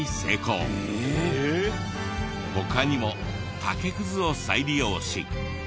他にも竹クズを再利用し。